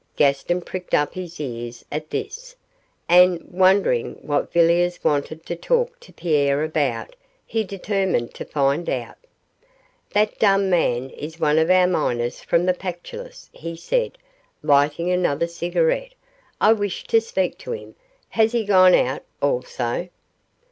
Gaston pricked up his ears at this, and, wondering what Villiers wanted to talk to Pierre about, he determined to find out. 'That dumb man is one of our miners from the Pactolus,' he said, lighting another cigarette; 'I wish to speak to him has he gone out also?